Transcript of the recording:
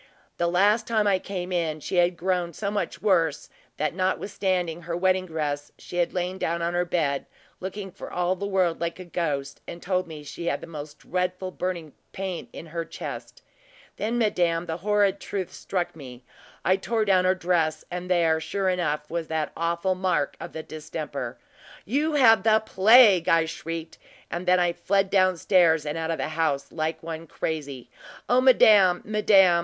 The last time I came in, she had grown so much worse, that notwithstanding her wedding dress, she had lain down on her bed, looking for all the world like a ghost, and told me she had the most dreadful burning pain in her chest. Then, madame, the horrid truth struck me I tore down her dress, and there, sure enough, was the awful mark of the distemper. `You have the plague!' I shrieked; and then I fled down stairs and out of the house, like one crazy. O madame, madame!